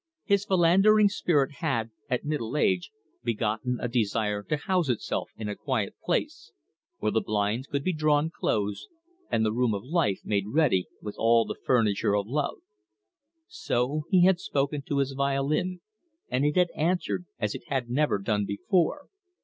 His philandering spirit had, at middle age, begotten a desire to house itself in a quiet place, where the blinds could be drawn close, and the room of life made ready with all the furniture of love. So he had spoken to his violin, and it had answered as it had never done before.